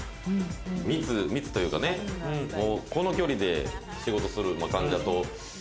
密というか、この距離で仕事する、患者と。